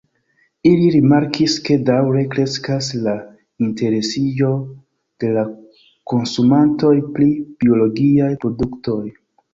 Ili rimarkis ke daŭre kreskas la interesiĝo de la konsumantoj pri biologiaj produktoj.